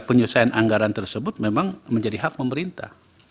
penyelesaian anggaran tersebut memang menjadi hak pemerintah